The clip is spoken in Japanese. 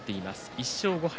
１勝５敗